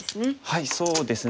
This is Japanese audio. はいそうですね。